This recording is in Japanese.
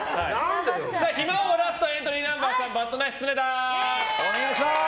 暇王ラストエントリーナンバー３番バッドナイス常田。